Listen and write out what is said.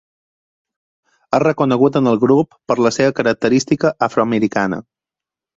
És reconegut en el grup per la seva característica afroamericana.